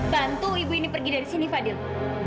bantu ibu ini pergi dari sini fadil